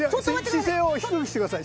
姿勢を低くしてください。